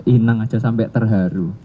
inang aja sampe terharu